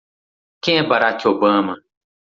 Quem é Barack Obama?